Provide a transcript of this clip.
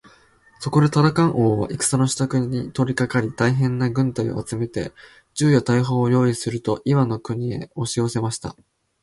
そこでタラカン王は戦のしたくに取りかかり、大へんな軍隊を集めて、銃や大砲をよういすると、イワンの国へおしよせました。